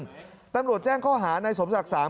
ทุกสิ่งที่เกิดขึ้นตำรวจแจ้งข้อหาในสมศักดิ์๓